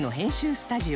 スタジオ